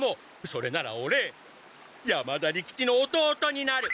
それならオレ山田利吉の弟になる！